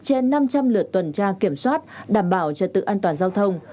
trên năm trăm linh lượt tuần tra kiểm soát đảm bảo trật tự an toàn giao thông